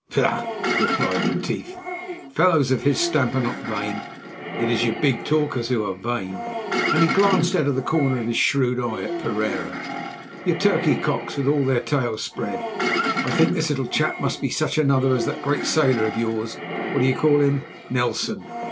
"Bah!" replied Retief, "fellows of his stamp are not vain; it is your big talkers who are vain," and he glanced out of the corner of his shrewd eye at Pereira, "your turkey cocks with all their tails spread. I think this little chap must be such another as that great sailor of yours—what do you call him, Nelson?